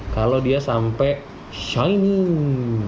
kalau dia sampai shining